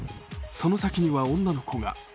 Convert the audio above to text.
その先には女の子が。